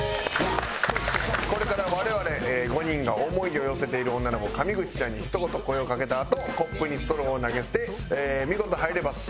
これから我々５人が思いを寄せている女の子上口ちゃんにひと言声をかけたあとコップにストローを投げて見事入れば成功。